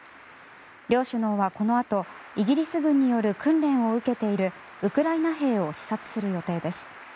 両首脳はこのあとイギリス軍による訓練を受けているウクライナ兵を視察する予定です。